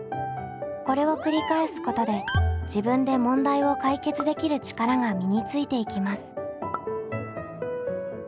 これを繰り返すことで「自分で問題を解決できる力」が身についていきます。